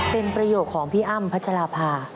เป็นประโยคของพี่อ้ำพัชราภา